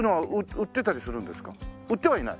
売ってはいない？